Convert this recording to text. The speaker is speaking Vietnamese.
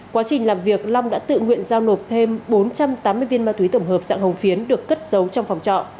quá trình làm việc long đã tự nguyện giao nộp thêm bốn trăm tám mươi viên ma túy tổng hợp dạng hồng phiến được cất giấu trong phòng trọ